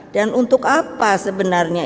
dan untuk apa sebenarnya